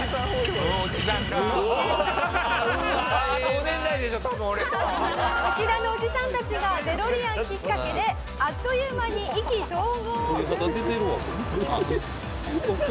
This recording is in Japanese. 見知らぬおじさんたちがデロリアンきっかけであっという間に意気投合。